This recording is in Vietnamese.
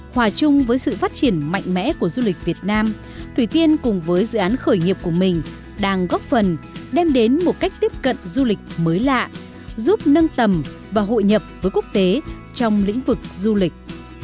hòa chung với sự phát triển mạnh mẽ của du lịch việt nam thủy tiên cùng với dự án khởi nghiệp của mình đang góp phần đem đến một cách tiếp cận du lịch mới lạ giúp nâng tầm và hội nhập với quốc tế trong lĩnh vực du lịch